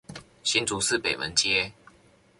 新竹市北門街